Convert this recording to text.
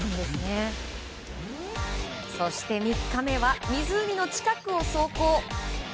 そして３日目は湖の近くを走行。